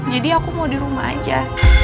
jadi aku mau di rumah aja